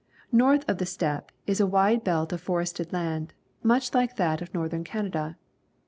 North of the steppe is a wide belt of forested land, much like that of Northern Canada.